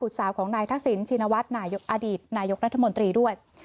สาวของนายทักษิณชินวัฒน์อดีตนายกรัฐมนตรีด้วย